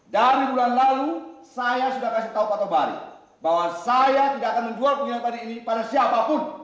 dari bulan lalu saya sudah kasih tahu pak tobari bahwa saya tidak akan menjual bunga bari ini pada siapapun